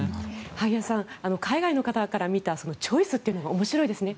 萩谷さん海外の方から見たチョイスが面白いですね。